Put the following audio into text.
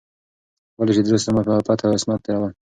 ولې چې درست عمر په عفت او عصمت تېرول